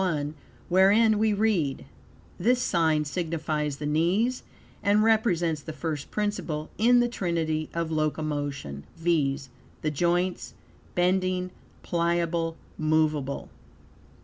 1, wherein we read: "This sign signifies the knees, and represents the first principle in the trinity of locomotion, viz., the joints, bending, pliable, movable."